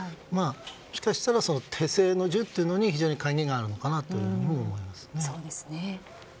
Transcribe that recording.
もしかしたら手製の銃というのに鍵があるのかなと思いますね。